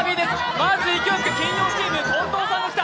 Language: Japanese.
まず勢いよく金曜チーム、近藤さんが来た。